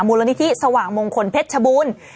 มูลนิธิสว่างมงคลเพชรชบูรณ์